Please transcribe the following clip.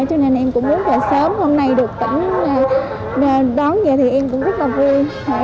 cho nên em cũng muốn là sớm hôm nay được tỉnh đón về thì em cũng rất là vui